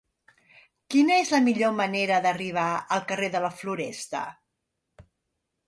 Quina és la millor manera d'arribar al carrer de la Floresta?